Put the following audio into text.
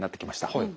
はい。